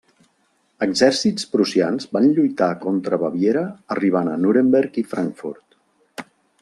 Exèrcits prussians van lluitar contra Baviera arribant a Nuremberg i Frankfurt.